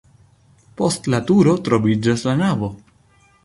Post la turo troviĝas la navo.